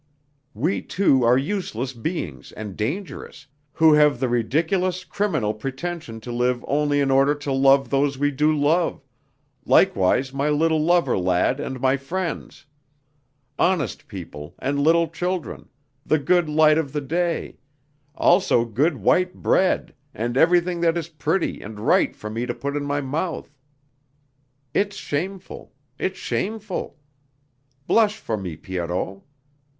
We two are useless beings and dangerous, who have the ridiculous, criminal pretention to live only in order to love those we do love, likewise my little lover lad and my friends, honest people and little children, the good light of the day, also good white bread and everything that is pretty and right for me to put in my mouth. It's shameful, it's shameful! Blush for me, Pierrot!...